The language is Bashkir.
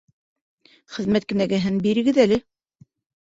Хеҙмәт кенәгәһен бирегеҙ әле